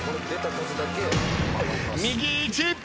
右１。